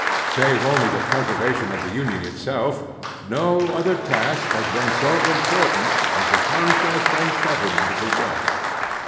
Save only the preservation of the Union itself, no other task has been so important as the conquest and settlement of the West.